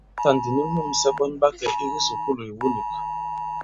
Tǎtà ndi nu nūmsɛ ɓɔn ɓa kɛ̀ i kisùkulù ìwu nīk.